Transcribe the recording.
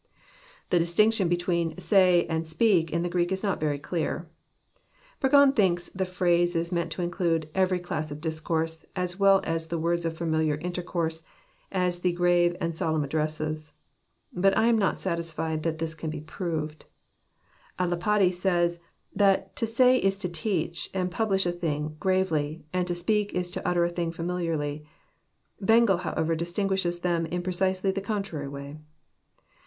The distinction between " say " and " speak " In the Greek is not very clear. Burgon thinks the phrase is meant to include every class of discourse ; as well the words of familiar Inter course, as the grave and solemn |iddresses." But lam not satis fled that this can be proved, —" A Lapide" says that " to say is to teach, and publish a thing gravely, and to speak is to utter a thing familiarly."— Bengel, however, distinguishes them In pre cisely the contrary way